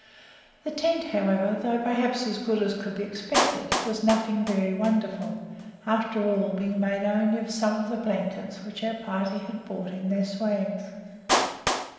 The tent, however, though perhaps as good as could be expected, was nothing very wonderful after all, being made only of some of the blankets which our party had brought in their swags.